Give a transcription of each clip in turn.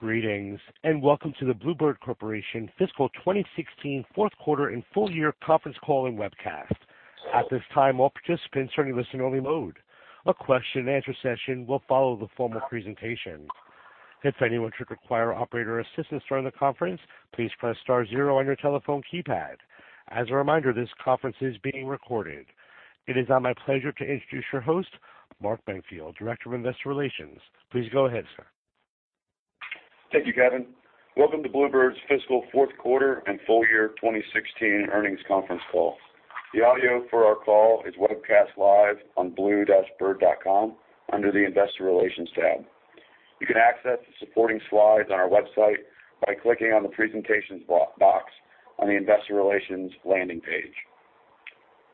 Greetings. Welcome to the Blue Bird Corporation Fiscal 2016 fourth quarter and full year conference call and webcast. At this time, all participants are in listen-only mode. A question-and-answer session will follow the formal presentation. If anyone should require operator assistance during the conference, please press star zero on your telephone keypad. As a reminder, this conference is being recorded. It is now my pleasure to introduce your host, Mark Benfield, Director of Investor Relations. Please go ahead, sir. Thank you, Kevin. Welcome to Blue Bird's fiscal fourth quarter and full year 2016 earnings conference call. The audio for our call is webcast live on blue-bird.com under the investor relations tab. You can access the supporting slides on our website by clicking on the presentations box on the investor relations landing page.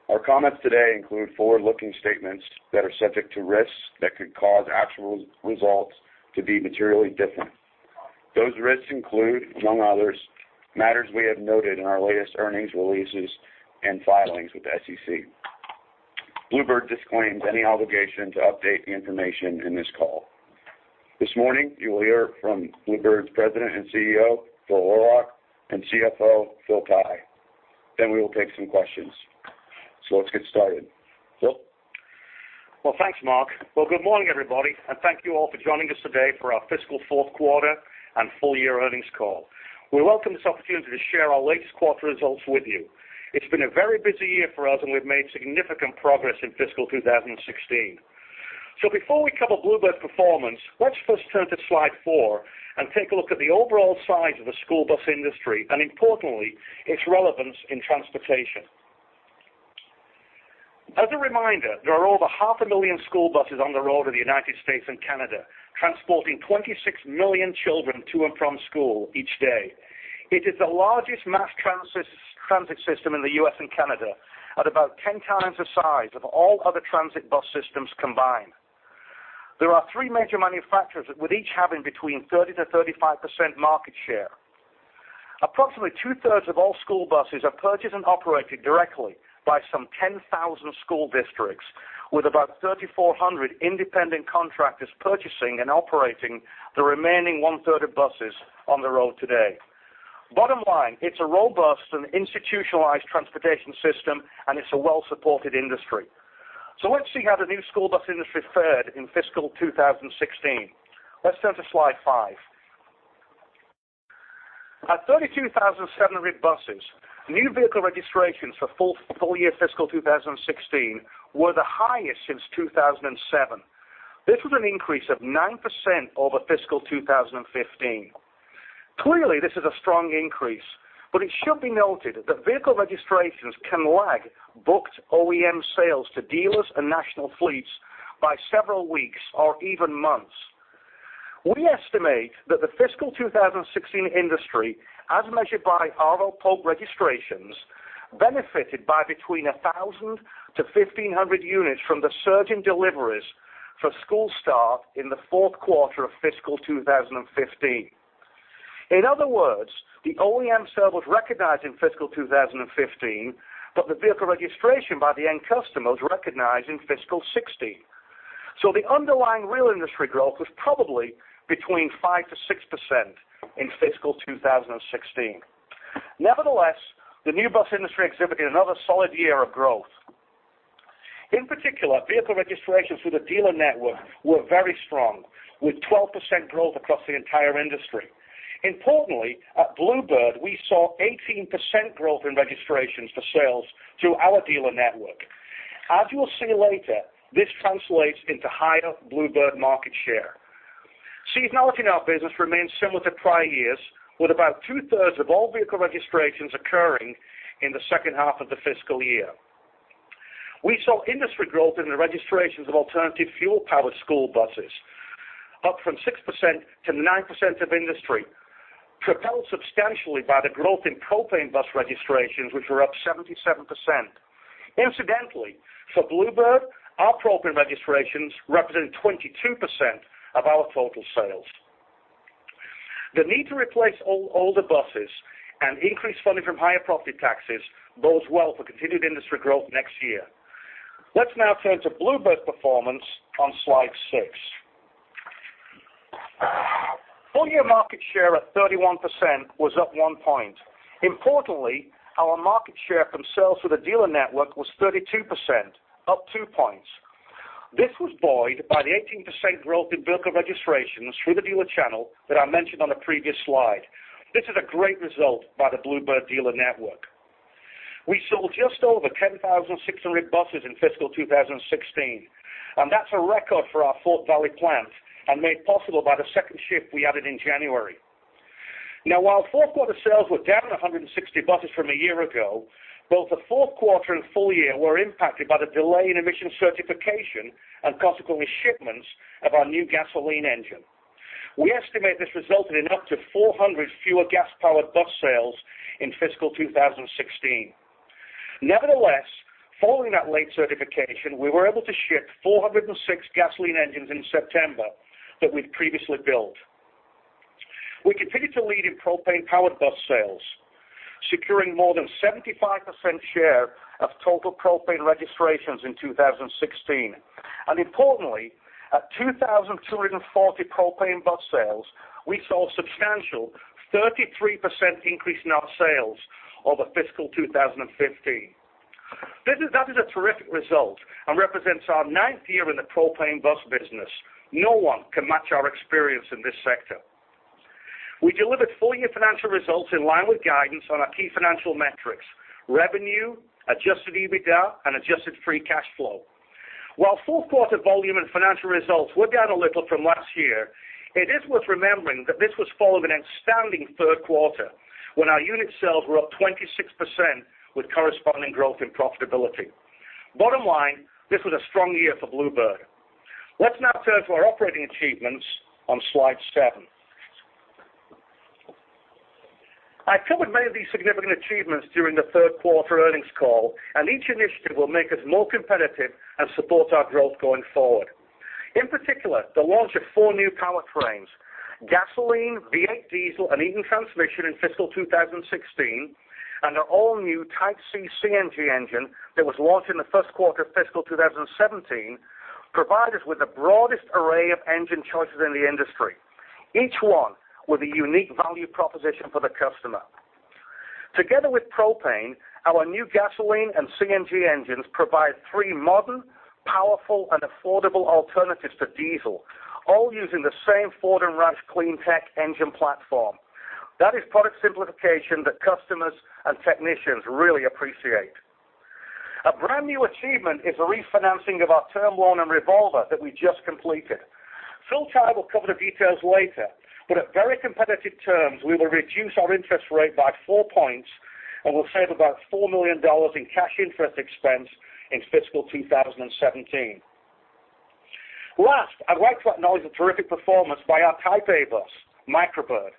Our comments today include forward-looking statements that are subject to risks that could cause actual results to be materially different. Those risks include, among others, matters we have noted in our latest earnings releases and filings with the SEC. Blue Bird disclaims any obligation to update the information in this call. This morning, you will hear from Blue Bird's President and CEO, Phil Horlock, and CFO, Phil Tighe. We will take some questions. Let's get started. Phil? Thanks, Mark. Good morning, everybody. Thank you all for joining us today for our fiscal fourth quarter and full year earnings call. We welcome this opportunity to share our latest quarter results with you. It's been a very busy year for us. We've made significant progress in fiscal 2016. Before we cover Blue Bird performance, let's first turn to slide four and take a look at the overall size of the school bus industry, and importantly, its relevance in transportation. As a reminder, there are over half a million school buses on the road in the U.S. and Canada, transporting 26 million children to and from school each day. It is the largest mass transit system in the U.S. and Canada, at about 10 times the size of all other transit bus systems combined. There are three major manufacturers, with each having between 30%-35% market share. Approximately two-thirds of all school buses are purchased and operated directly by some 10,000 school districts, with about 3,400 independent contractors purchasing and operating the remaining one-third of buses on the road today. Bottom line, it's a robust and institutionalized transportation system. It's a well-supported industry. Let's see how the new school bus industry fared in fiscal 2016. Let's turn to slide five. At 32,700 buses, new vehicle registrations for full year fiscal 2016 were the highest since 2007. This was an increase of 9% over fiscal 2015. Clearly, this is a strong increase. It should be noted that vehicle registrations can lag booked OEM sales to dealers and national fleets by several weeks or even months. We estimate that the fiscal 2016 industry, as measured by R.L. Polk registrations, benefited by between 1,000-1,500 units from the surge in deliveries for school start in the fourth quarter of fiscal 2015. In other words, the OEM sale was recognized in fiscal 2015, but the vehicle registration by the end customer was recognized in fiscal 2016. The underlying real industry growth was probably between 5%-6% in fiscal 2016. Nevertheless, the new bus industry exhibited another solid year of growth. In particular, vehicle registrations with the dealer network were very strong, with 12% growth across the entire industry. Importantly, at Blue Bird, we saw 18% growth in registrations for sales through our dealer network. As you will see later, this translates into higher Blue Bird market share. Seasonality in our business remains similar to prior years, with about two-thirds of all vehicle registrations occurring in the second half of the fiscal year. We saw industry growth in the registrations of alternative fuel-powered school buses, up from 6%-9% of industry, propelled substantially by the growth in propane bus registrations, which were up 77%. Incidentally, for Blue Bird, our propane registrations represent 22% of our total sales. The need to replace all older buses and increase funding from higher property taxes bodes well for continued industry growth next year. Let's now turn to Blue Bird's performance on slide six. Full year market share at 31% was up one point. Importantly, our market share from sales to the dealer network was 32%, up two points. This was buoyed by the 18% growth in vehicle registrations through the dealer channel that I mentioned on the previous slide. This is a great result by the Blue Bird dealer network. We sold just over 10,600 buses in fiscal 2016, and that's a record for our Fort Valley plant and made possible by the second shift we added in January. While fourth quarter sales were down 160 buses from a year ago, both the fourth quarter and full year were impacted by the delay in emission certification and consequently shipments of our new gasoline engine. We estimate this resulted in up to 400 fewer gas-powered bus sales in fiscal 2016. Nevertheless, following that late certification, we were able to ship 406 gasoline engines in September that we'd previously built. We continued to lead in propane-powered bus sales. Securing more than 75% share of total propane registrations in 2016. Importantly, at 2,240 propane bus sales, we saw substantial 33% increase in our sales over fiscal 2015. That is a terrific result and represents our ninth year in the propane bus business. No one can match our experience in this sector. We delivered full-year financial results in line with guidance on our key financial metrics, revenue, adjusted EBITDA, and adjusted free cash flow. While fourth quarter volume and financial results were down a little from last year, it is worth remembering that this was following an outstanding third quarter when our unit sales were up 26% with corresponding growth in profitability. Bottom line, this was a strong year for Blue Bird. Let's now turn to our operating achievements on slide seven. I covered many of these significant achievements during the third quarter earnings call, and each initiative will make us more competitive and support our growth going forward. In particular, the launch of four new powertrains, gasoline, V8 diesel, and Eaton transmission in fiscal 2016, and an all-new Type C CNG engine that was launched in the first quarter of fiscal 2017, provide us with the broadest array of engine choices in the industry, each one with a unique value proposition for the customer. Together with propane, our new gasoline and CNG engines provide three modern, powerful, and affordable alternatives to diesel, all using the same Ford and ROUSH CleanTech engine platform. That is product simplification that customers and technicians really appreciate. A brand new achievement is the refinancing of our term loan and revolver that we just completed. Phil Tighe will cover the details later, but at very competitive terms, we will reduce our interest rate by 4 points and will save about $4 million in cash interest expense in fiscal 2017. Last, I'd like to acknowledge the terrific performance by our Type A bus, Micro Bird.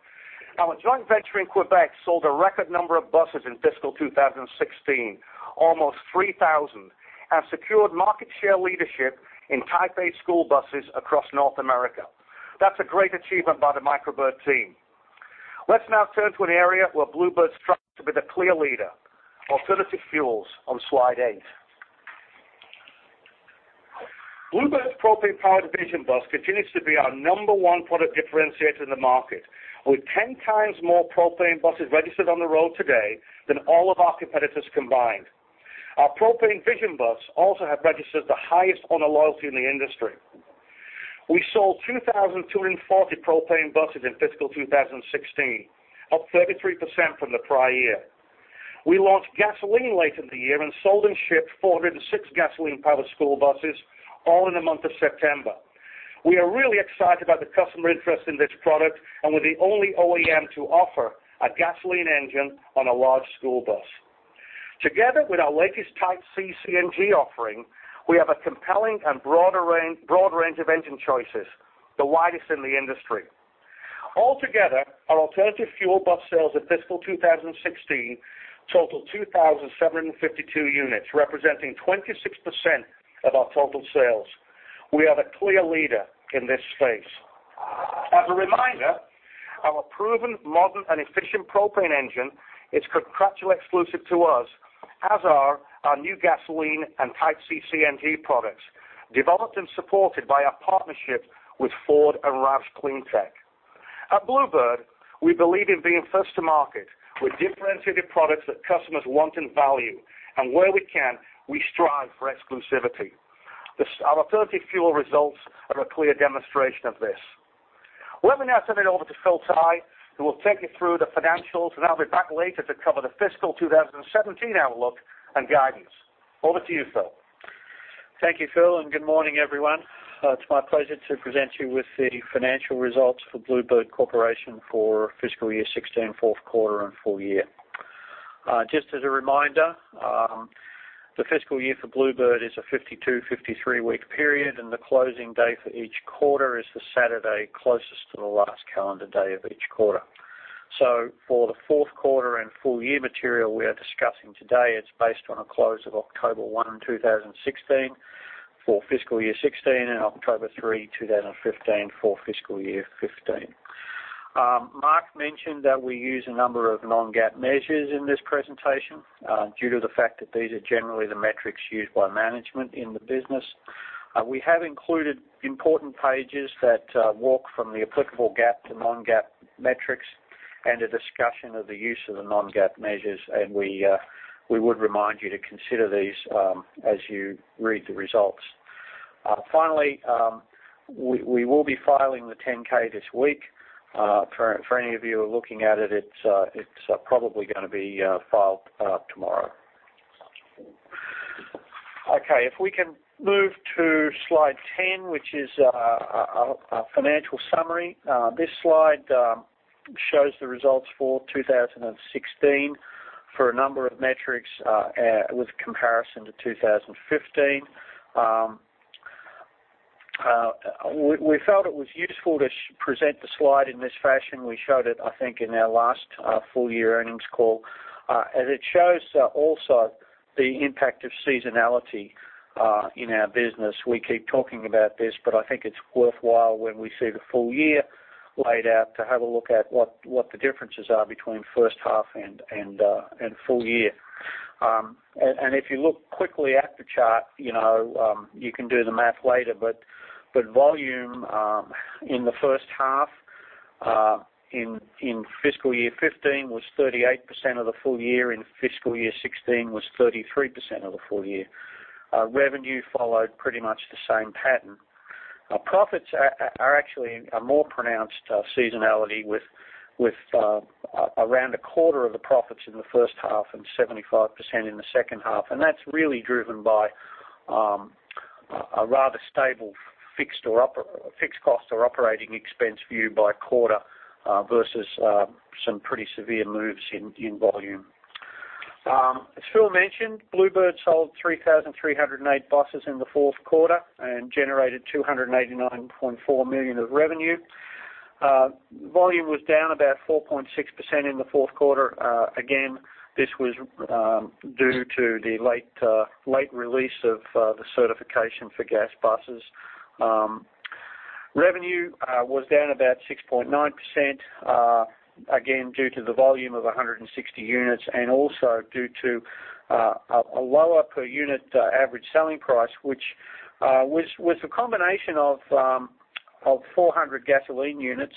Our joint venture in Quebec sold a record number of buses in fiscal 2016, almost 3,000, and secured market share leadership in Type A school buses across North America. That's a great achievement by the Micro Bird team. Let's now turn to an area where Blue Bird strives to be the clear leader, alternative fuels on slide eight. Blue Bird's propane-powered Vision bus continues to be our number one product differentiator in the market. With 10 times more propane buses registered on the road today than all of our competitors combined. Our propane Vision buses also have registered the highest owner loyalty in the industry. We sold 2,240 propane buses in fiscal 2016, up 33% from the prior year. We launched gasoline late in the year and sold and shipped 406 gasoline-powered school buses all in the month of September. We are really excited about the customer interest in this product and we're the only OEM to offer a gasoline engine on a large school bus. Together with our latest Type C CNG offering, we have a compelling and broad range of engine choices, the widest in the industry. Altogether, our alternative fuel bus sales in fiscal 2016 totaled 2,752 units, representing 26% of our total sales. We are the clear leader in this space. As a reminder, our proven modern and efficient propane engine is contractually exclusive to us, as are our new gasoline and Type C CNG products, developed and supported by our partnership with Ford and ROUSH CleanTech. At Blue Bird, we believe in being first to market with differentiated products that customers want and value, and where we can, we strive for exclusivity. Our alternative fuel results are a clear demonstration of this. Let me now turn it over to Phil Tighe, who will take you through the financials, and I'll be back later to cover the fiscal 2017 outlook and guidance. Over to you, Phil. Thank you, Phil, and good morning, everyone. It's my pleasure to present you with the financial results for Blue Bird Corporation for fiscal year 2016, fourth quarter, and full year. Just as a reminder, the fiscal year for Blue Bird is a 52, 53-week period, and the closing day for each quarter is the Saturday closest to the last calendar day of each quarter. For the fourth quarter and full year material we are discussing today, it's based on a close of October 1, 2016 for fiscal year 2016 and October 3, 2015 for fiscal year 2015. Mark mentioned that we use a number of non-GAAP measures in this presentation due to the fact that these are generally the metrics used by management in the business. We have included important pages that walk from the applicable GAAP to non-GAAP metrics and a discussion of the use of the non-GAAP measures, and we would remind you to consider these as you read the results. Finally, we will be filing the 10-K this week. For any of you who are looking at it's probably going to be filed tomorrow. If we can move to slide 10, which is our financial summary. This slide shows the results for 2016 for a number of metrics with comparison to 2015. We felt it was useful to present the slide in this fashion. We showed it, I think, in our last full-year earnings call. It shows also the impact of seasonality in our business. We keep talking about this, but I think it's worthwhile when we see the full year laid out to have a look at what the differences are between first half and full year. If you look quickly at the chart, you can do the math later, but volume in the first half in fiscal year 2015 was 38% of the full year, in fiscal year 2016 was 33% of the full year. Revenue followed pretty much the same pattern. Profits are actually a more pronounced seasonality with around a quarter of the profits in the first half and 75% in the second half, and that's really driven by a rather stable fixed cost or operating expense view by quarter versus some pretty severe moves in volume. As Phil mentioned, Blue Bird sold 3,308 buses in the fourth quarter and generated $289.4 million of revenue. Volume was down about 4.6% in the fourth quarter. Again, this was due to the late release of the certification for gas buses. Revenue was down about 6.9%, again, due to the volume of 160 units and also due to a lower per unit average selling price, which was a combination of 400 gasoline units.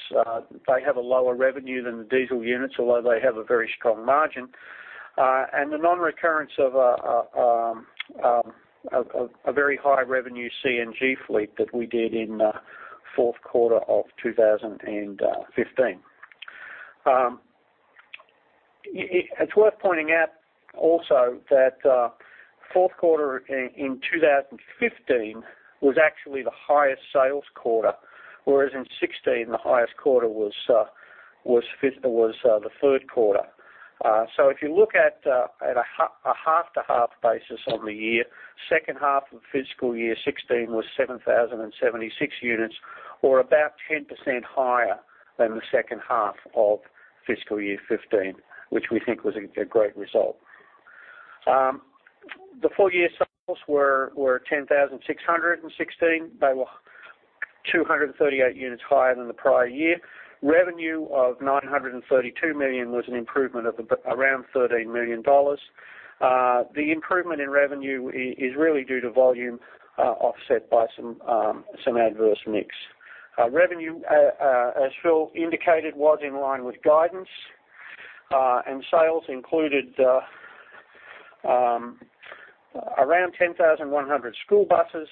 They have a lower revenue than the diesel units, although they have a very strong margin. The non-recurrence of a very high revenue CNG fleet that we did in fourth quarter of 2015. It's worth pointing out also that fourth quarter in 2015 was actually the highest sales quarter, whereas in 2016, the highest quarter was the third quarter. If you look at a half-to-half basis on the year, second half of fiscal year 2016 was 7,076 units, or about 10% higher than the second half of fiscal year 2015, which we think was a great result. The full-year sales were 10,616. They were 238 units higher than the prior year. Revenue of $932 million was an improvement of around $13 million. The improvement in revenue is really due to volume offset by some adverse mix. Revenue, as Phil indicated, was in line with guidance, and sales included around 10,100 school buses,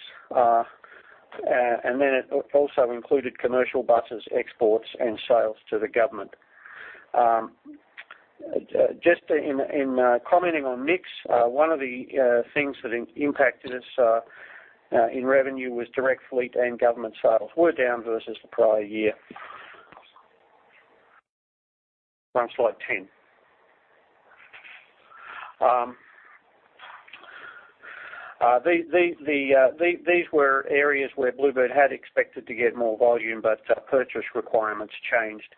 and it also included commercial buses, exports, and sales to the government. Just in commenting on mix, one of the things that impacted us in revenue was direct fleet and government sales were down versus the prior year. Run slide 10. These were areas where Blue Bird had expected to get more volume, purchase requirements changed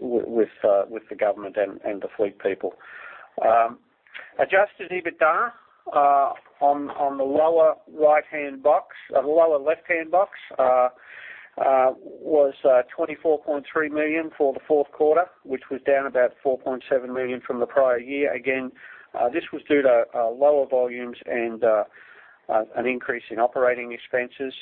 with the government and the fleet people. Adjusted EBITDA on the lower left-hand box was $24.3 million for the fourth quarter, which was down about $4.7 million from the prior year. Again, this was due to lower volumes and an increase in operating expenses.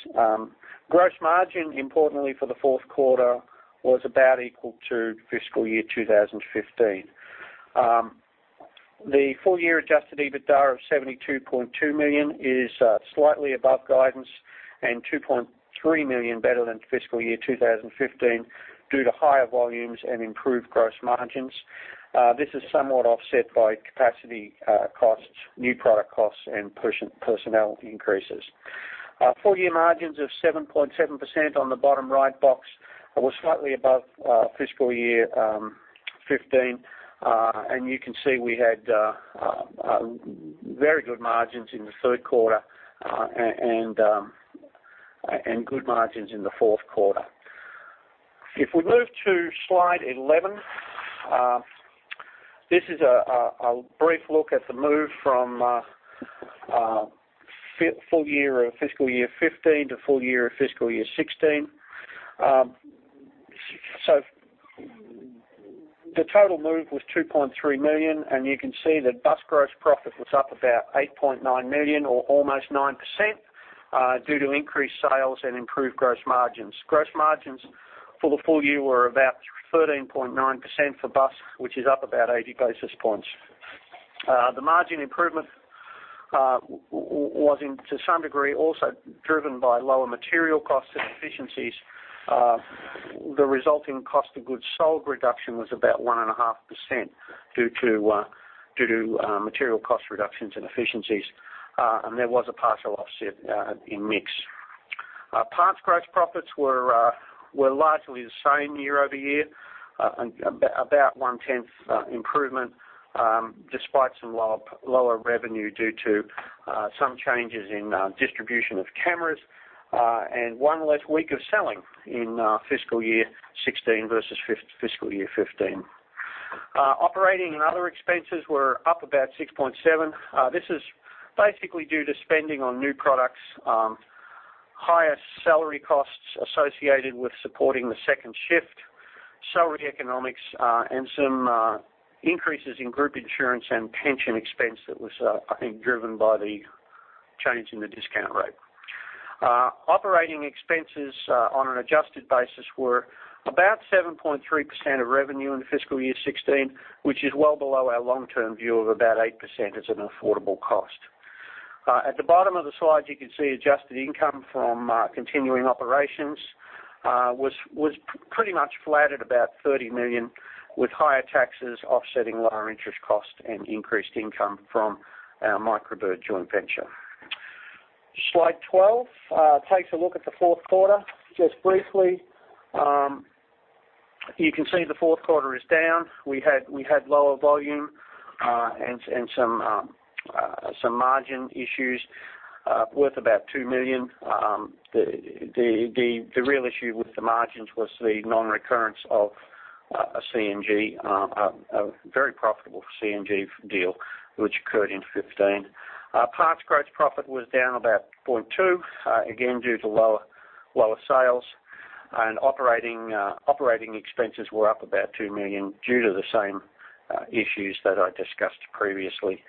Gross margin, importantly for the fourth quarter, was about equal to fiscal year 2015. The full-year adjusted EBITDA of $72.2 million is slightly above guidance and $2.3 million better than fiscal year 2015 due to higher volumes and improved gross margins. This is somewhat offset by capacity costs, new product costs, and personnel increases. Full-year margins of 7.7% on the bottom right box were slightly above fiscal year 2015. You can see we had very good margins in the third quarter and good margins in the fourth quarter. If we move to slide 11, this is a brief look at the move from full year of fiscal year 2015 to full year of fiscal year 2016. The total move was $2.3 million, and you can see that bus gross profit was up about $8.9 million or almost 9% due to increased sales and improved gross margins. Gross margins for the full year were about 13.9% for bus, which is up about 80 basis points. The margin improvement was to some degree also driven by lower material costs and efficiencies. The resulting cost of goods sold reduction was about 1.5% due to material cost reductions and efficiencies. There was a partial offset in mix. Parts gross profits were largely the same year-over-year, about one-tenth improvement despite some lower revenue due to some changes in distribution of cameras and one less week of selling in fiscal year 2016 versus fiscal year 2015. Operating and other expenses were up about $6.7 million. This is basically due to spending on new products. Higher salary costs associated with supporting the second shift, salary economics, and some increases in group insurance and pension expense that was, I think, driven by the change in the discount rate. Operating expenses on an adjusted basis were about 7.3% of revenue in fiscal year 2016, which is well below our long-term view of about 8% as an affordable cost. At the bottom of the slide, you can see adjusted income from continuing operations was pretty much flat at about $30 million, with higher taxes offsetting lower interest costs and increased income from our Micro Bird joint venture. Slide 12 takes a look at the fourth quarter just briefly. You can see the fourth quarter is down. We had lower volume and some margin issues worth about $2 million. The real issue with the margins was the non-recurrence of a very profitable CNG deal, which occurred in 2015. Parts gross profit was down about $0.2, again, due to lower sales. Operating expenses were up about $2 million due to the same issues that I discussed previously.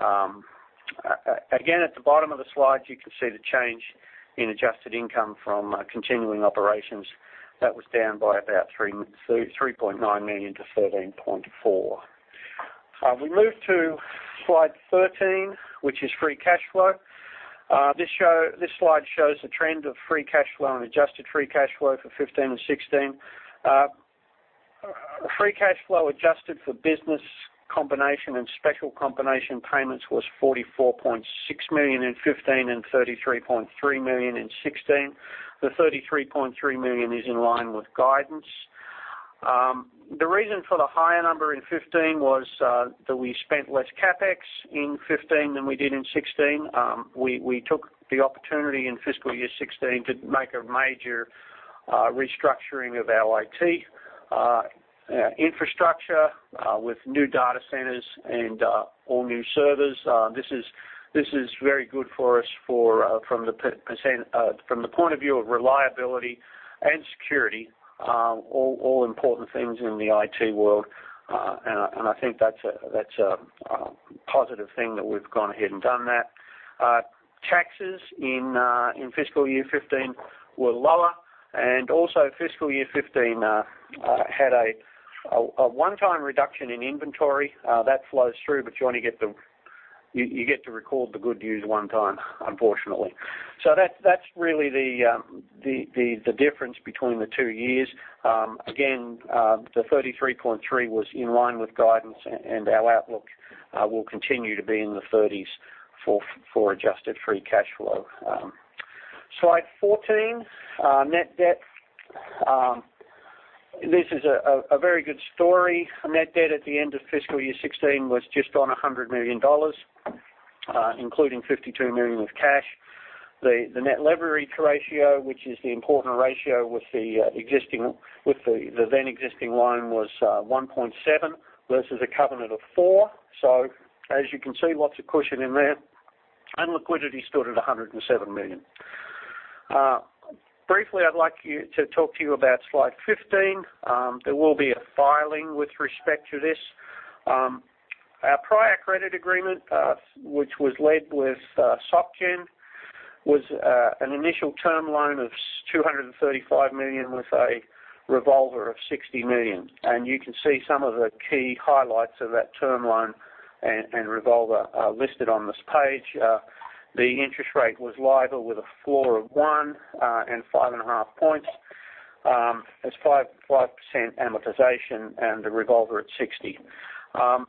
Again, at the bottom of the slide, you can see the change in adjusted income from continuing operations. That was down by about $3.9 million to $13.4 million. We move to slide 13, which is free cash flow. This slide shows the trend of free cash flow and adjusted free cash flow for 2015 and 2016. Free cash flow adjusted for business combination and special combination payments was $44.6 million in 2015 and $33.3 million in 2016. The $33.3 million is in line with guidance. The reason for the higher number in 2015 was that we spent less CapEx in 2015 than we did in 2016. We took the opportunity in fiscal year 2016 to make a major restructuring of our IT infrastructure with new data centers and all new servers. This is very good for us from the point of view of reliability and security, all important things in the IT world. I think that's a positive thing that we've gone ahead and done that. Taxes in fiscal year 2015 were lower. Also fiscal year 2015 had a one-time reduction in inventory. That flows through, but you only get to record the good news one time, unfortunately. That's really the difference between the two years. Again, the $33.3 million was in line with guidance, and our outlook will continue to be in the 30s for adjusted free cash flow. Slide 14, net debt. This is a very good story. Net debt at the end of fiscal year 2016 was just on $100 million, including $52 million of cash. The net leverage ratio, which is the important ratio with the then existing loan, was 1.7 versus a covenant of four. As you can see, lots of cushion in there. Liquidity stood at $107 million. Briefly, I'd like to talk to you about slide 15. There will be a filing with respect to this. Our prior credit agreement, which was led with SocGen, was an initial term loan of $235 million with a revolver of $60 million. You can see some of the key highlights of that term loan and revolver are listed on this page. The interest rate was LIBOR with a floor of one and five and a half points. That's 5% amortization and a revolver at $60 million.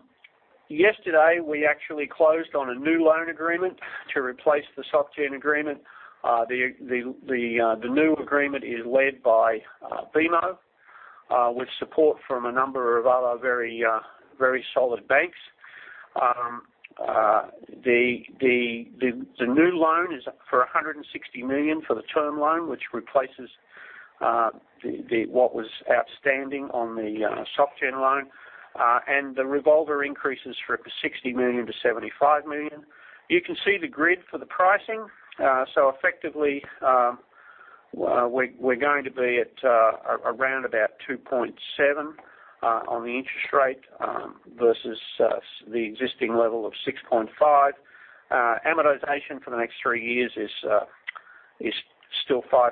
Yesterday, we actually closed on a new loan agreement to replace the SocGen agreement. The new agreement is led by BMO, with support from a number of other very solid banks. The new loan is for $160 million for the term loan, which replaces what was outstanding on the SocGen loan. The revolver increases from $60 million to $75 million. You can see the grid for the pricing. Effectively, we're going to be at around about 2.7 on the interest rate versus the existing level of 6.5. Amortization for the next three years is still 5%,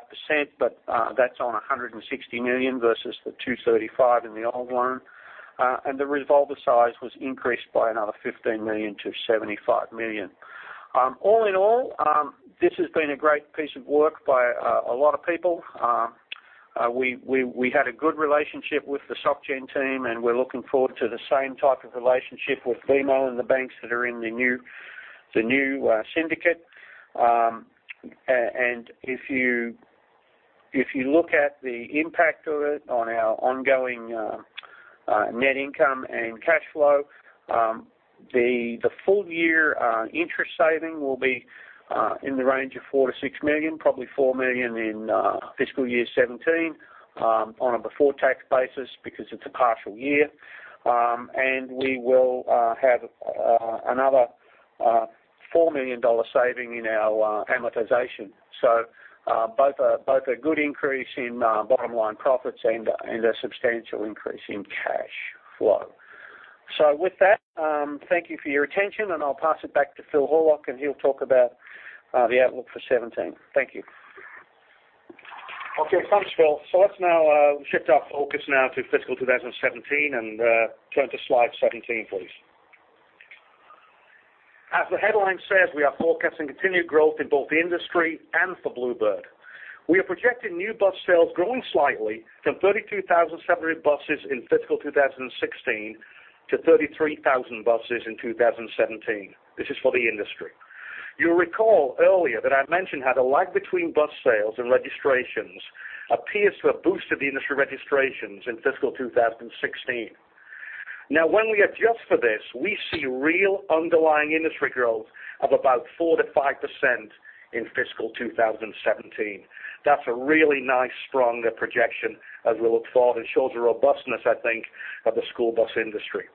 but that's on $160 million versus the $235 million in the old loan. The revolver size was increased by another $15 million to $75 million. All in all, this has been a great piece of work by a lot of people. We had a good relationship with the SocGen team, and we're looking forward to the same type of relationship with BMO and the banks that are in the new syndicate. If you look at the impact of it on our ongoing net income and cash flow, the full-year interest saving will be in the range of $4 million-$6 million, probably $4 million in fiscal year 2017 on a before-tax basis because it's a partial year. We will have another $4 million saving in our amortization. Both a good increase in bottom-line profits and a substantial increase in cash flow. With that, thank you for your attention, and I'll pass it back to Phil Horlock, and he'll talk about the outlook for 2017. Thank you. Okay, thanks, Phil. Let's now shift our focus now to fiscal 2017 and turn to slide 17, please. As the headline says, we are forecasting continued growth in both the industry and for Blue Bird. We are projecting new bus sales growing slightly from 32,700 buses in fiscal 2016 to 33,000 buses in 2017. This is for the industry. You'll recall earlier that I mentioned how the lag between bus sales and registrations appears to have boosted the industry registrations in fiscal 2016. When we adjust for this, we see real underlying industry growth of about 4%-5% in fiscal 2017. That's a really nice, strong projection as we look forward. It shows the robustness, I think, of the school bus industry.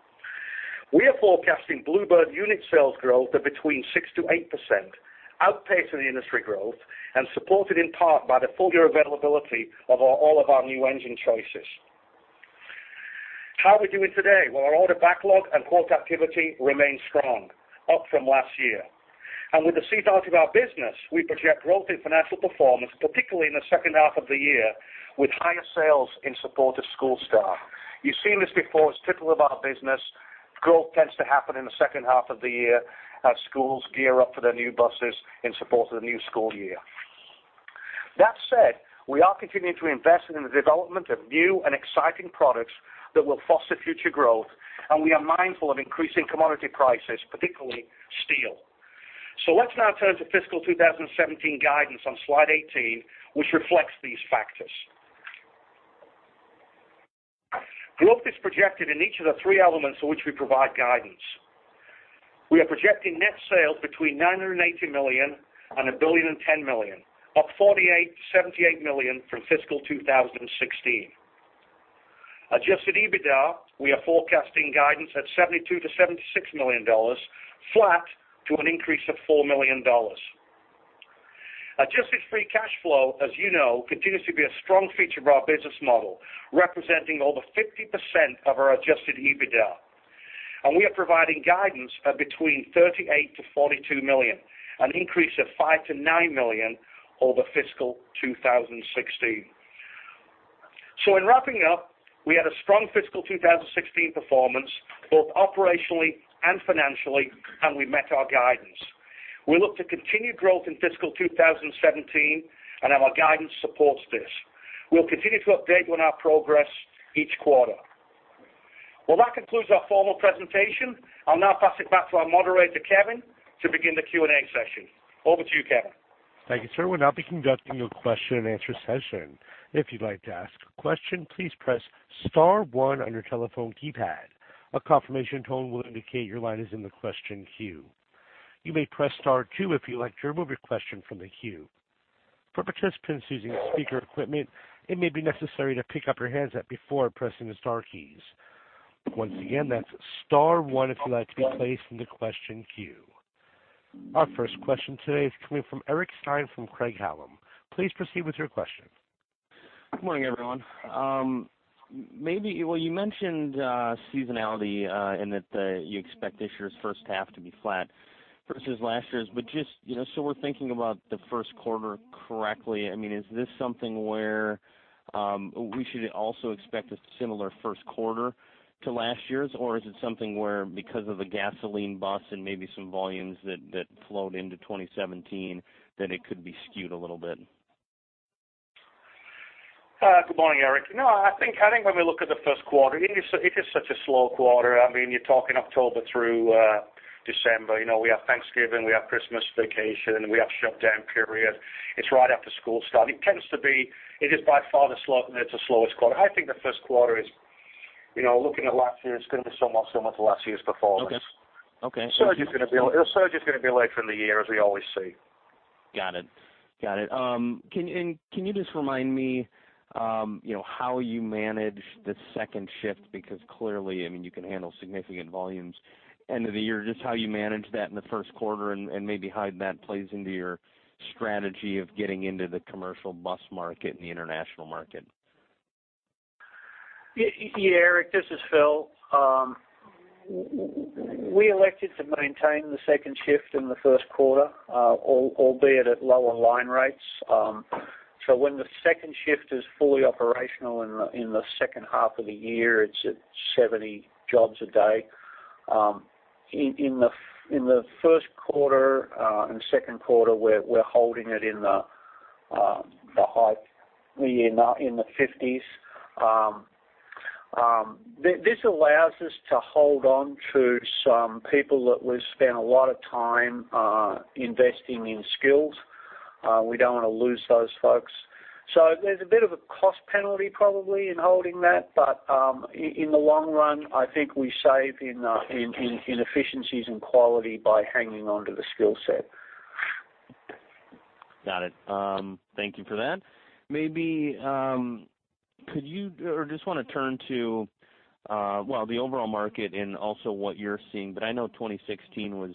We are forecasting Blue Bird unit sales growth of between 6%-8%, outpacing the industry growth and supported in part by the full year availability of all of our new engine choices. How are we doing today? Our order backlog and quote activity remain strong, up from last year. With the seat height of our business, we project growth in financial performance, particularly in the second half of the year, with higher sales in support of school staff. You've seen this before. It's typical of our business. Growth tends to happen in the second half of the year as schools gear up for their new buses in support of the new school year. That said, we are continuing to invest in the development of new and exciting products that will foster future growth, we are mindful of increasing commodity prices, particularly steel. Let's now turn to fiscal 2017 guidance on slide 18, which reflects these factors. Growth is projected in each of the three elements for which we provide guidance. We are projecting net sales between $980 million and $1.01 billion, up $48 million-$78 million from fiscal 2016. Adjusted EBITDA, we are forecasting guidance at $72 million-$76 million, flat to an increase of $4 million. Adjusted free cash flow, as you know, continues to be a strong feature of our business model, representing over 50% of our Adjusted EBITDA. We are providing guidance of between $38 million-$42 million, an increase of $5 million-$9 million over fiscal 2016. In wrapping up, we had a strong fiscal 2016 performance, both operationally and financially, and we met our guidance. We look to continue growth in fiscal 2017 and have our guidance supports this. We'll continue to update on our progress each quarter. That concludes our formal presentation. I'll now pass it back to our moderator, Kevin, to begin the Q&A session. Over to you, Kevin. Thank you, sir. We'll now be conducting a question and answer session. If you'd like to ask a question, please press star one on your telephone keypad. A confirmation tone will indicate your line is in the question queue. You may press star two if you'd like to remove your question from the queue. For participants using speaker equipment, it may be necessary to pick up your handset before pressing the star keys. Once again, that's star one if you'd like to be placed in the question queue. Our first question today is coming from Eric Stine from Craig-Hallum. Please proceed with your question. Good morning, everyone. You mentioned seasonality, and that you expect this year's first half to be flat versus last year's, but just so we're thinking about the first quarter correctly, is this something where we should also expect a similar first quarter to last year's? Or is it something where because of the gasoline bus and maybe some volumes that flowed into 2017, that it could be skewed a little bit? Good morning, Eric. No, I think when we look at the first quarter, it is such a slow quarter. You're talking October through December. We have Thanksgiving. We have Christmas vacation. We have shutdown period. It's right after school start. It is by far the slowest quarter. I think the first quarter is, looking at last year, it's going to be somewhat similar to last year's performance. Okay. The surge is going to be later in the year, as we always see. Got it. Can you just remind me how you manage the second shift? Because clearly, you can handle significant volumes end of the year. Just how you manage that in the first quarter and maybe how that plays into your strategy of getting into the commercial bus market and the international market. Eric, this is Phil. We elected to maintain the second shift in the first quarter, albeit at lower line rates. When the second shift is fully operational in the second half of the year, it's at 70 jobs a day. In the first quarter and second quarter, we're holding it in the high, in the 50s. This allows us to hold on to some people that we've spent a lot of time investing in skills. We don't want to lose those folks. There's a bit of a cost penalty probably in holding that, but in the long run, I think we save in efficiencies and quality by hanging on to the skill set. Got it. Thank you for that. Could you or just want to turn to the overall market and also what you're seeing, I know 2016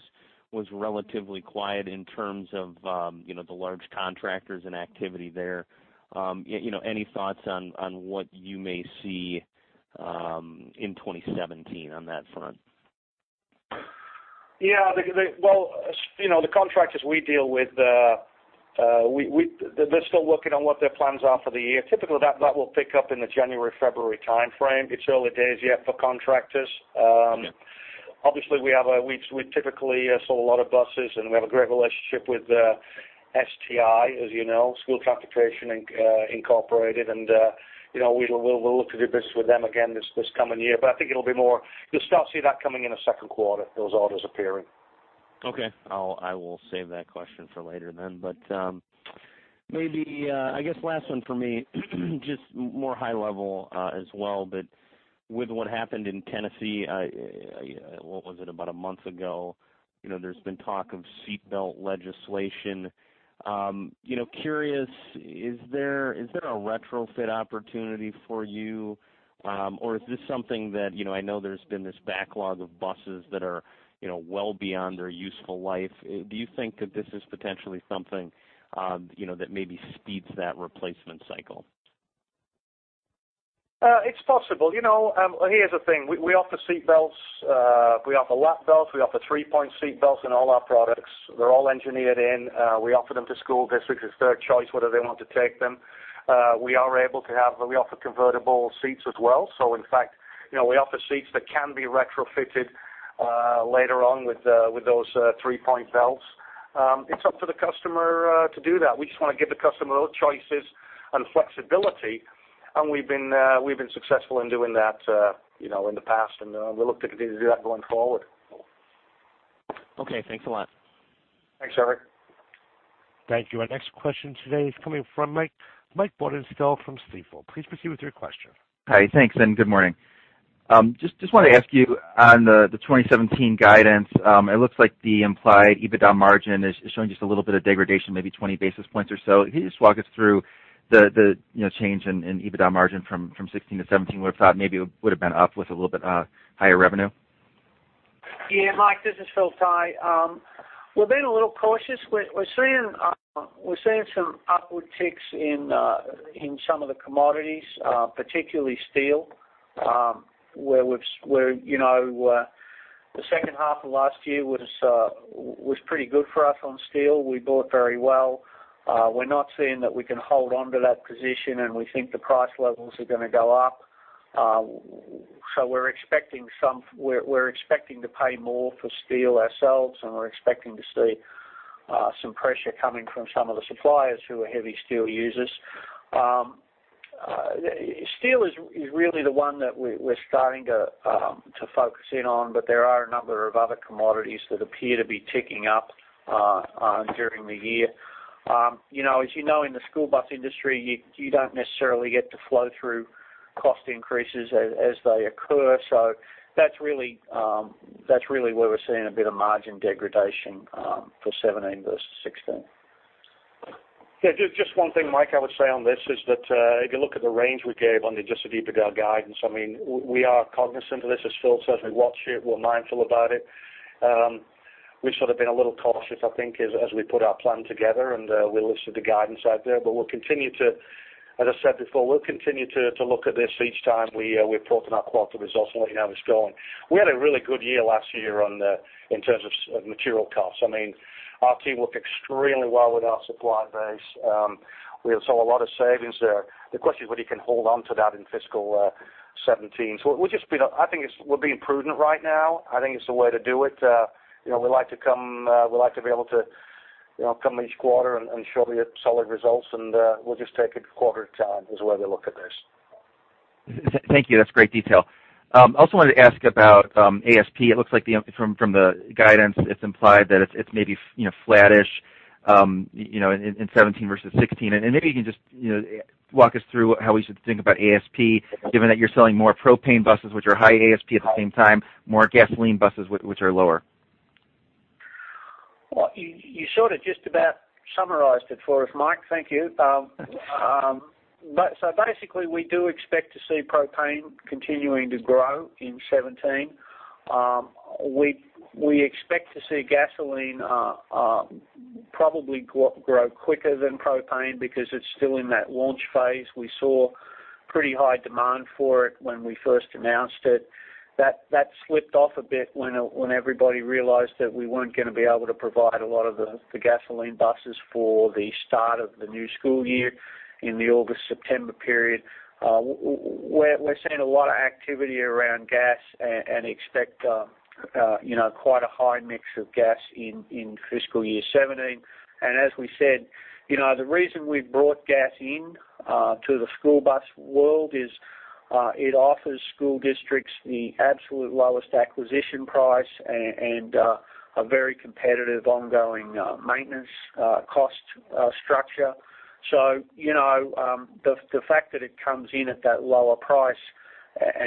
was relatively quiet in terms of the large contractors and activity there. Any thoughts on what you may see in 2017 on that front? Yeah. Well, the contractors we deal with, they're still working on what their plans are for the year. Typically, that will pick up in the January, February timeframe. It's early days yet for contractors. Yeah. Obviously, we typically sell a lot of buses, we have a great relationship with STI, as you know, Student Transportation Inc. We'll look to do business with them again this coming year. I think you'll start see that coming in the second quarter, those orders appearing. Okay. I will save that question for later then. Maybe, I guess last one for me, just more high level as well, with what happened in Tennessee, what was it? About a month ago. There's been talk of seat belt legislation. Curious, is there a retrofit opportunity for you? Is this something that, I know there's been this backlog of buses that are well beyond their useful life. Do you think that this is potentially something that maybe speeds that replacement cycle? It's possible. Here's the thing. We offer seat belts. We offer lap belts. We offer three-point seat belts in all our products. They're all engineered in. We offer them to school districts. It's their choice whether they want to take them. We offer convertible seats as well. In fact, we offer seats that can be retrofitted later on with those three-point belts. It's up to the customer to do that. We just want to give the customer choices and flexibility. We've been successful in doing that in the past. We look to continue to do that going forward. Okay. Thanks a lot. Thanks, Eric. Thank you. Our next question today is coming from Mike Baudendistel from Stifel. Please proceed with your question. Hi. Thanks, and good morning. Just want to ask you on the 2017 guidance, it looks like the implied EBITDA margin is showing just a little bit of degradation, maybe 20 basis points or so. Can you just walk us through the change in EBITDA margin from 2016 to 2017? Would've thought maybe it would've been up with a little bit higher revenue. Yeah. Mike, this is Phil Tighe. We're being a little cautious. We're seeing some upward ticks in some of the commodities, particularly steel, where the second half of last year was pretty good for us on steel. We bought very well. We're not seeing that we can hold onto that position, and we think the price levels are going to go up. We're expecting to pay more for steel ourselves, and we're expecting to see some pressure coming from some of the suppliers who are heavy steel users. Steel is really the one that we're starting to focus in on, there are a number of other commodities that appear to be ticking up during the year. As you know, in the school bus industry, you don't necessarily get to flow through cost increases as they occur. That's really where we're seeing a bit of margin degradation for 2017 versus 2016. Yeah. Just one thing, Mike, I would say on this is that if you look at the range we gave on just the EBITDA guidance, we are cognizant of this, as Phil says. We watch it. We're mindful about it. We've sort of been a little cautious, I think, as we put our plan together, and we listed the guidance out there. As I said before, we'll continue to look at this each time we report on our quarter results and let you know how it's going. We had a really good year last year in terms of material costs. Our team worked extremely well with our supplier base. We saw a lot of savings there. The question is whether you can hold onto that in fiscal 2017. I think we're being prudent right now. I think it's the way to do it. We like to be able to come each quarter and show you solid results, and we'll just take it a quarter at a time is the way we look at this. Thank you. That's great detail. Also wanted to ask about ASP. It looks like from the guidance, it's implied that it's maybe flattish in 2017 versus 2016. Maybe you can just walk us through how we should think about ASP, given that you're selling more propane buses, which are high ASP at the same time, more gasoline buses, which are lower. Well, you sort of just about summarized it for us, Mike. Thank you. Basically, we do expect to see propane continuing to grow in 2017. We expect to see gasoline probably grow quicker than propane because it's still in that launch phase. We saw pretty high demand for it when we first announced it. That slipped off a bit when everybody realized that we weren't going to be able to provide a lot of the gasoline buses for the start of the new school year in the August-September period. We're seeing a lot of activity around gas and expect quite a high mix of gas in fiscal year 2017. As we said, the reason we've brought gas in to the school bus world is it offers school districts the absolute lowest acquisition price and a very competitive ongoing maintenance cost structure. The fact that it comes in at that lower price.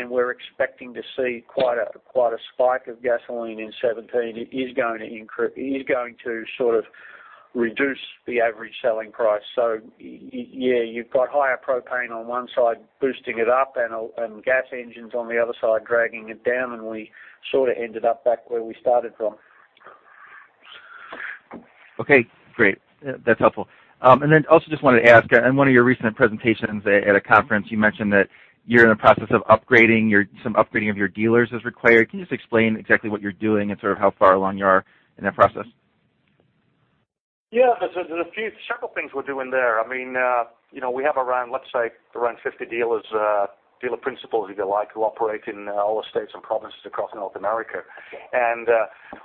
We're expecting to see quite a spike of gasoline in 2017. It is going to sort of reduce the average selling price. Yeah, you've got higher propane on one side boosting it up and gas engines on the other side dragging it down, and we sort of ended up back where we started from. Okay, great. That's helpful. Then also just wanted to ask, in one of your recent presentations at a conference, you mentioned that you're in a process of some upgrading of your dealers is required. Can you just explain exactly what you're doing and sort of how far along you are in that process? Yeah. There's several things we're doing there. We have around, let's say, around 50 dealers, dealer principals, if you like, who operate in all the states and provinces across North America.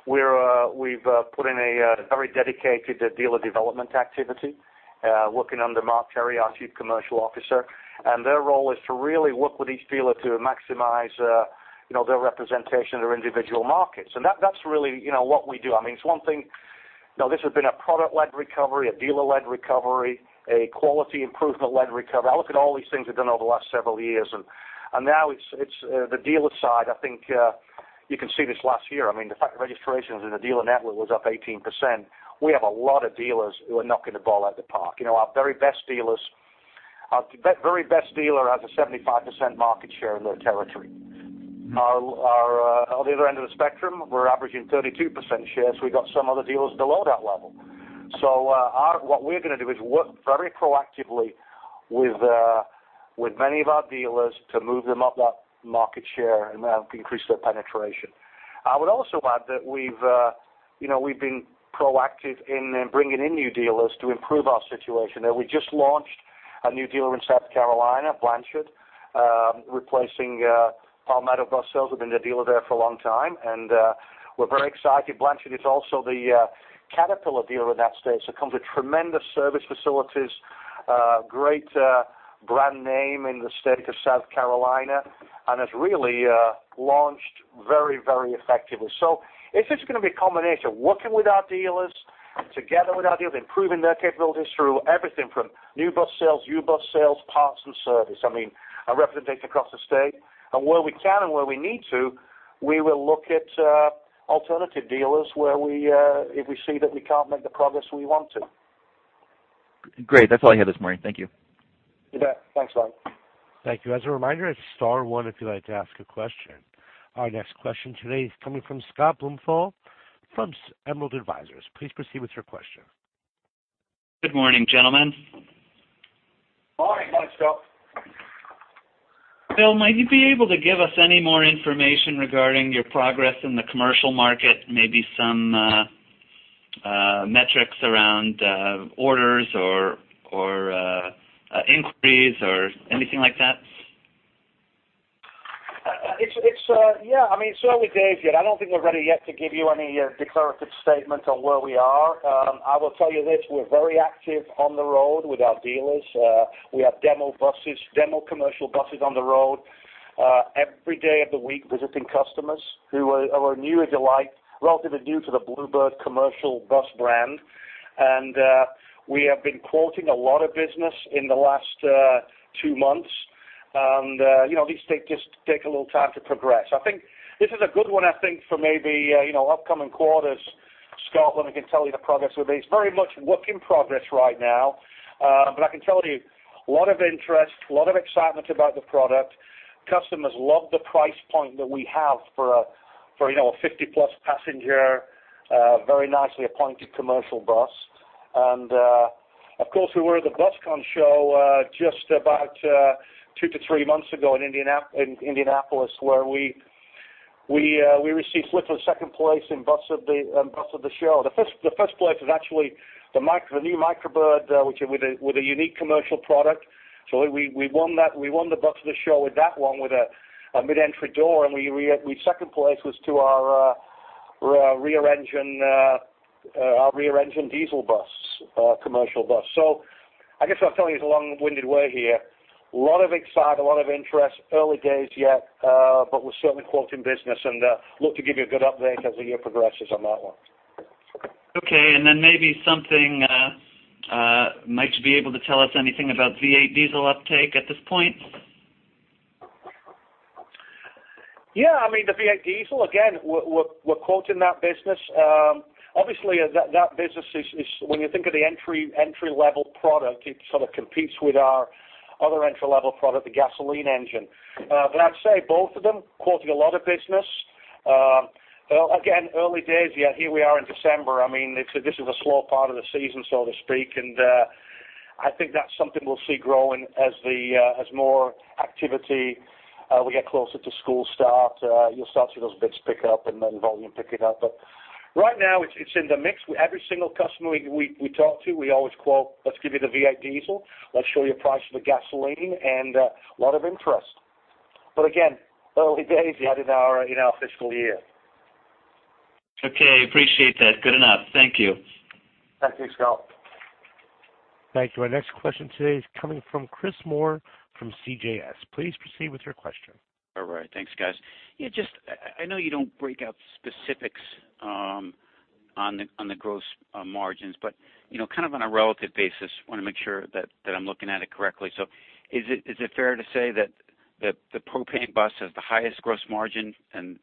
We've put in a very dedicated dealer development activity, working under Mark Terry, our Chief Commercial Officer. Their role is to really work with each dealer to maximize their representation in their individual markets. That's really what we do. This has been a product-led recovery, a dealer-led recovery, a quality improvement-led recovery. I look at all these things we've done over the last several years. Now it's the dealer side. I think you can see this last year. The fact that registrations in the dealer network was up 18%. We have a lot of dealers who are knocking the ball out of the park. Our very best dealer has a 75% market share in their territory. On the other end of the spectrum, we're averaging 32% shares. We've got some other dealers below that level. What we're going to do is work very proactively with many of our dealers to move them up that market share and increase their penetration. I would also add that we've been proactive in bringing in new dealers to improve our situation there. We just launched a new dealer in South Carolina, Blanchard, replacing Palmetto Bus Sales, who've been the dealer there for a long time. We're very excited. Blanchard is also the Caterpillar dealer in that state, so comes with tremendous service facilities, great brand name in the state of South Carolina, has really launched very effectively. It's just going to be a combination of working with our dealers, together with our dealers, improving their capabilities through everything from new bus sales, used bus sales, parts, and service, a representation across the state. Where we can and where we need to, we will look at alternative dealers if we see that we can't make the progress we want to. Great. That's all I have this morning. Thank you. You bet. Thanks, Ryan. Thank you. As a reminder, it's star one if you'd like to ask a question. Our next question today is coming from Scott Blumenthal from Emerald Advisors. Please proceed with your question. Good morning, gentlemen. Morning. Hi, Scott. Phil, might you be able to give us any more information regarding your progress in the commercial market, maybe some metrics around orders or inquiries or anything like that? Yeah. It's early days yet. I don't think we're ready yet to give you any declarative statement on where we are. I will tell you this, we're very active on the road with our dealers. We have demo commercial buses on the road every day of the week visiting customers who are new as you like, relatively new to the Blue Bird commercial bus brand. We have been quoting a lot of business in the last 2 months, and these things just take a little time to progress. This is a good one, I think, for maybe upcoming quarters, Scott, when we can tell you the progress with these. Very much work in progress right now. I can tell you, a lot of interest, a lot of excitement about the product. Customers love the price point that we have for a 50-plus passenger, very nicely appointed commercial bus. Of course, we were at the BusCon show just about two to three months ago in Indianapolis, where we received second place in Bus of the Show. The first place was actually the new Micro Bird, with a unique commercial product. We won the Bus of the Show with that one, with a mid-entry door, and second place was to our rear engine diesel commercial bus. I guess what I'm telling you the long-winded way here, a lot of excitement, a lot of interest. Early days yet, we're certainly quoting business and look to give you a good update as the year progresses on that one. Okay, maybe something, Phil, should you be able to tell us anything about V8 diesel uptake at this point? Yeah. The V8 diesel, again, we're quoting that business. Obviously, that business is when you think of the entry-level product, it sort of competes with our other entry-level product, the gasoline engine. I'd say both of them quoting a lot of business. Again, early days yet. Here we are in December. This is a slow part of the season, so to speak, I think that's something we'll see growing as more activity, we get closer to school start, you'll start to see those bids pick up volume picking up. Right now it's in the mix. Every single customer we talk to, we always quote, let's give you the V8 diesel. Let's show you a price for the gasoline, a lot of interest. Again, early days yet in our fiscal year. Okay. Appreciate that. Good enough. Thank you. Thank you, Scott. Thank you. Our next question today is coming from Chris Moore from CJS. Please proceed with your question. All right. Thanks, guys. I know you don't break out specifics on the gross margins, but on a relative basis, want to make sure that I'm looking at it correctly. Is it fair to say that the propane bus has the highest gross margin and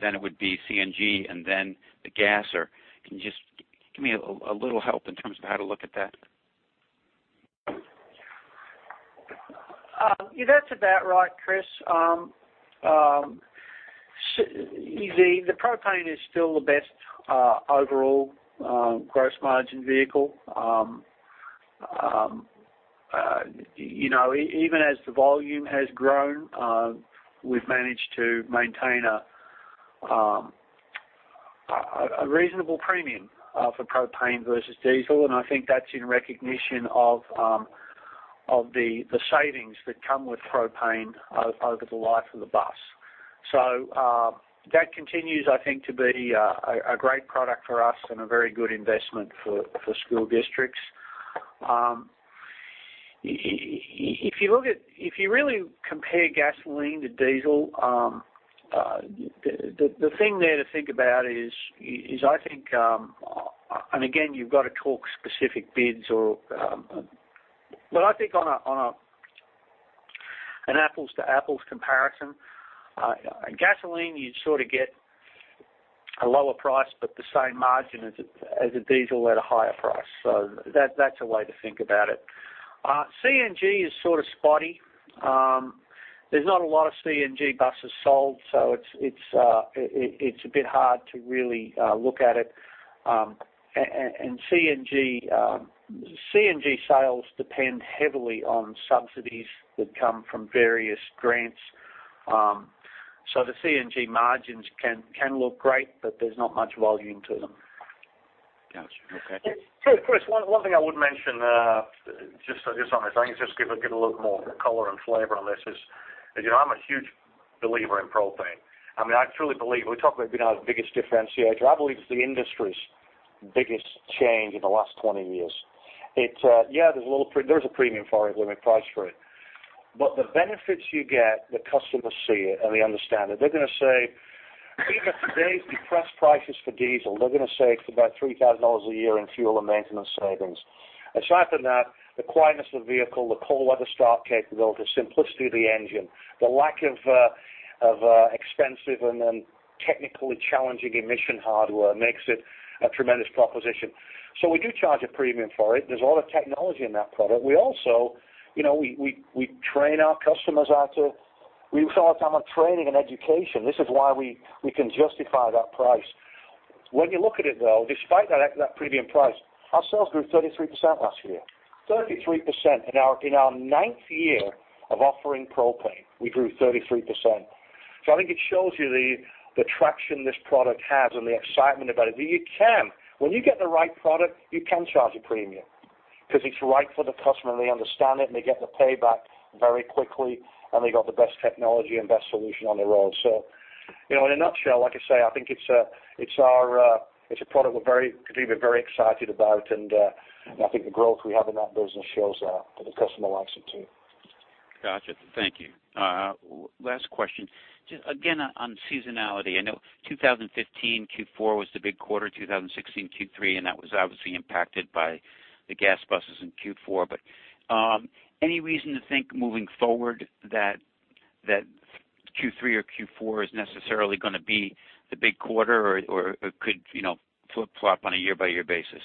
then it would be CNG and then the gasser? Can you just give me a little help in terms of how to look at that? That's about right, Chris. The propane is still the best overall gross margin vehicle. Even as the volume has grown, we've managed to maintain a reasonable premium for propane versus diesel, and I think that's in recognition of the savings that come with propane over the life of the bus. That continues, I think, to be a great product for us and a very good investment for school districts. If you really compare gasoline to diesel, the thing there to think about is, I think, and again, you've got to talk specific bids, but I think on an apples to apples comparison, gasoline, you'd sort of get a lower price, but the same margin as a diesel at a higher price. That's a way to think about it. CNG is sort of spotty. There's not a lot of CNG buses sold, it's a bit hard to really look at it. CNG sales depend heavily on subsidies that come from various grants. The CNG margins can look great, but there's not much volume to them. Got you. Okay. Chris Moore, one thing I would mention, just on this, I can just give a little more color and flavor on this is, I'm a huge believer in propane. I truly believe we talk about our biggest differentiator. I believe it's the industry's biggest change in the last 20 years. There's a premium price for it. The benefits you get, the customers see it, and they understand it. They're going to say even today's depressed prices for diesel, they're going to save about $3,000 a year in fuel and maintenance savings. Aside from that, the quietness of the vehicle, the cold weather start capability, simplicity of the engine, the lack of expensive and then technically challenging emission hardware makes it a tremendous proposition. We do charge a premium for it. There's a lot of technology in that product. We sell our time on training and education. This is why we can justify that price. When you look at it, though, despite that premium price, our sales grew 33% last year. 33% in our ninth year of offering propane, we grew 33%. I think it shows you the traction this product has and the excitement about it. When you get the right product, you can charge a premium because it's right for the customer, and they understand it, and they get the payback very quickly, and they got the best technology and best solution on the road. In a nutshell, like I say, I think it's a product we're very excited about, and I think the growth we have in that business shows that the customer likes it, too. Got you. Thank you. Last question, just again on seasonality. I know 2015 Q4 was the big quarter, 2016 Q3, and that was obviously impacted by the gas buses in Q4. Any reason to think moving forward that Q3 or Q4 is necessarily going to be the big quarter or it could flip-flop on a year-by-year basis?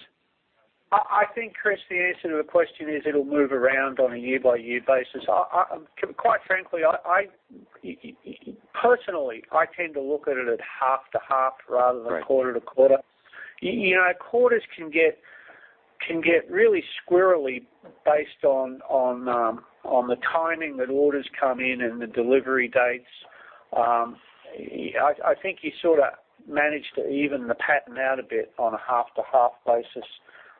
I think, Chris, the answer to the question is it'll move around on a year-by-year basis. Quite frankly, personally, I tend to look at it at half to half rather than quarter to quarter. Quarters can get really squirrely based on the timing that orders come in and the delivery dates. I think you sort of manage to even the pattern out a bit on a half-to-half basis.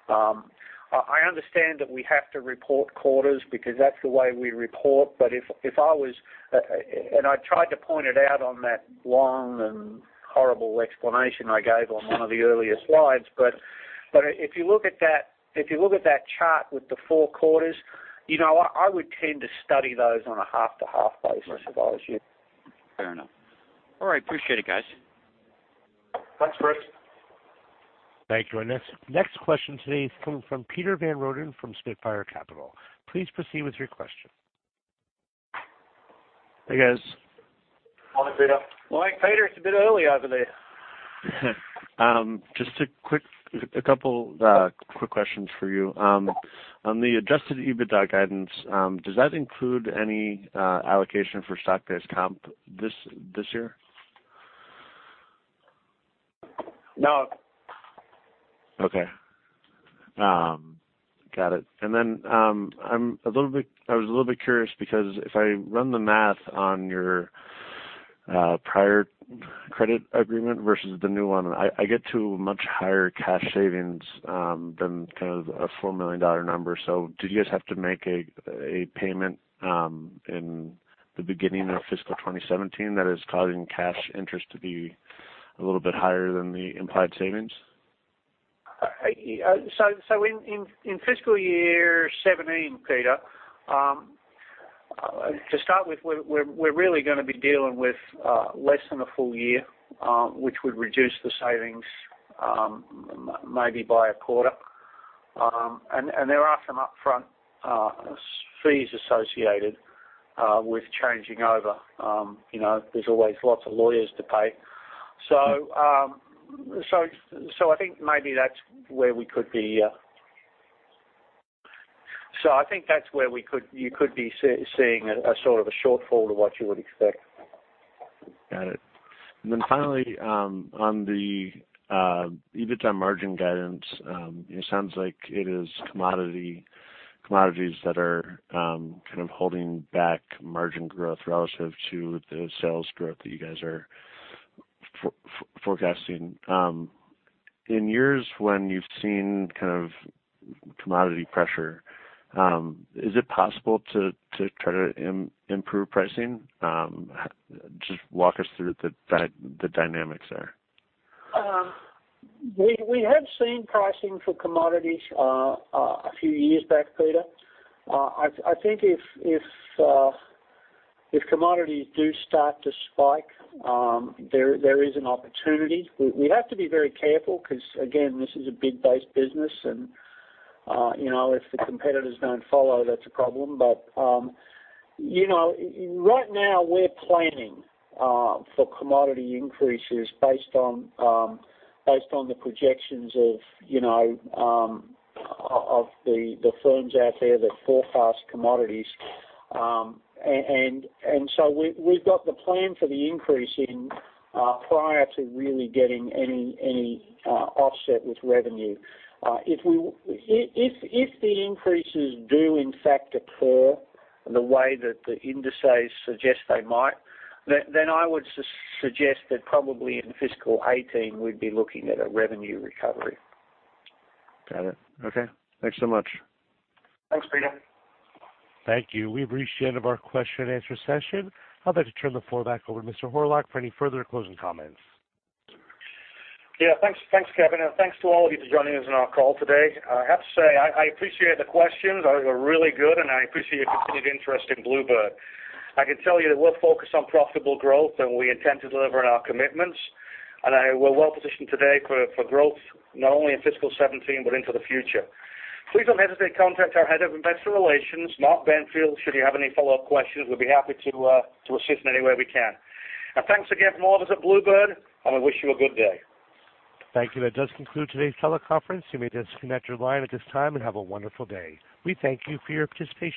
I understand that we have to report quarters because that's the way we report, but if I was, I tried to point it out on that long and horrible explanation I gave on one of the earlier slides, but if you look at that chart with the four quarters, I would tend to study those on a half-to-half basis if I was you. Fair enough. All right. Appreciate it, guys. Thanks, Chris. Thank you. Our next question today is coming from Peter Van Roden from Spitfire Capital. Please proceed with your question. Hey, guys. Morning, Peter. Morning, Peter. It's a bit early over there. Just a couple quick questions for you. On the adjusted EBITDA guidance, does that include any allocation for stock-based comp this year? No. Got it. I was a little bit curious because if I run the math on your prior credit agreement versus the new one, I get to much higher cash savings than kind of a $4 million number. Did you guys have to make a payment in the beginning of fiscal 2017 that is causing cash interest to be a little bit higher than the implied savings? In fiscal year 2017, Peter, to start with, we're really going to be dealing with less than a full year, which would reduce the savings maybe by a quarter. There are some upfront fees associated with changing over. There's always lots of lawyers to pay. I think maybe that's where we could be seeing a sort of a shortfall to what you would expect. Got it. Finally, on the EBITDA margin guidance, it sounds like it is commodities that are kind of holding back margin growth relative to the sales growth that you guys are forecasting. In years when you've seen kind of commodity pressure, is it possible to try to improve pricing? Just walk us through the dynamics there. We have seen pricing for commodities a few years back, Peter. I think if commodities do start to spike, there is an opportunity. We have to be very careful because, again, this is a bid-based business, and if the competitors don't follow, that's a problem. Right now, we're planning for commodity increases based on the projections of the firms out there that forecast commodities. We've got the plan for the increase in prior to really getting any offset with revenue. If the increases do in fact occur the way that the indices suggest they might, I would suggest that probably in fiscal 2018, we'd be looking at a revenue recovery. Got it. Okay. Thanks so much. Thanks, Peter. Thank you. We've reached the end of our question and answer session. I'd like to turn the floor back over to Mr. Horlock for any further closing comments. Yeah. Thanks, Kevin, and thanks to all of you for joining us on our call today. I have to say, I appreciate the questions. I think they're really good, and I appreciate your continued interest in Blue Bird. I can tell you that we're focused on profitable growth, and we intend to deliver on our commitments. We're well-positioned today for growth, not only in fiscal 2017, but into the future. Please don't hesitate to contact our Head of Investor Relations, Mark Benfield, should you have any follow-up questions. We'd be happy to assist in any way we can. Thanks again from all of us at Blue Bird, and we wish you a good day. Thank you. That does conclude today's teleconference. You may disconnect your line at this time, and have a wonderful day. We thank you for your participation.